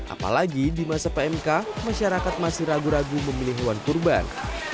apalagi di masa pmk masyarakat masih ragu ragu memilih hewan kurban